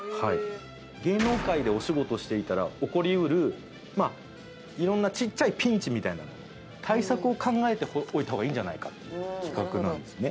芸能界でお仕事をしていたら起こりうる色んなちっちゃいピンチみたいなのの対策を考えておいた方がいいんじゃないかという企画なんですね。